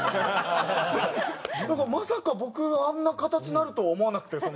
まさか僕あんな形になるとは思わなくてその。